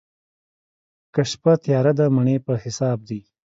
که شپه تياره ده، مڼې په حساب دي.